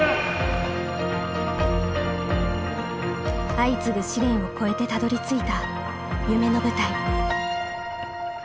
相次ぐ試練を超えてたどりついた夢の舞台。